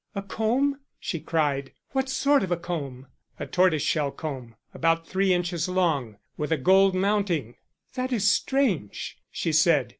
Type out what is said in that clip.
"A comb!" she cried. "What sort of a comb?" "A tortoise shell comb about three inches long, with a gold mounting." "That is strange," she said.